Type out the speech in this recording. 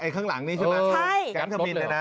ข้างหลังนี่ใช่ไหมกลางรถเลยไหม